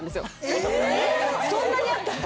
そんなにあった？